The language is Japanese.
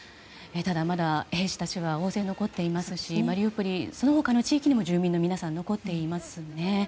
ただ、まだ兵士たちは大勢残っていますしマリウポリその他の地域にも住民の皆さん残っていますね。